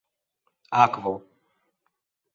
akvo